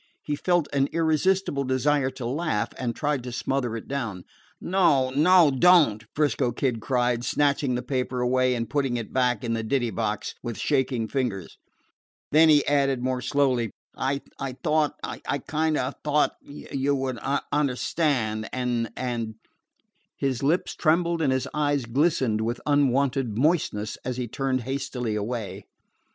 He felt an irresistible desire to laugh, and tried to smother it down. "No, no; don't!" 'Frisco Kid cried, snatching the paper away and putting it back in the ditty box with shaking fingers. Then he added more slowly: "I thought I I kind o' thought you would understand, and and " His lips trembled and his eyes glistened with unwonted moistness as he turned hastily away.